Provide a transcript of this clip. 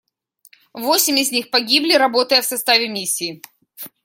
Восемь из них погибли, работая в составе Миссии.